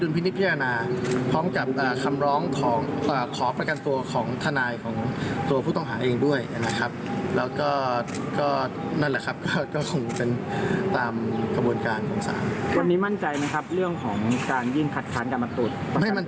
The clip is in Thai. วันนี้คุณมั่นใจไหมครับเรื่องของเรื่องของการยิ่งคัดค้างการประกันตัว